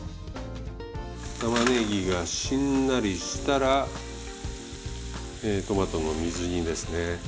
玉ねぎがしんなりしたらトマトの水煮ですね。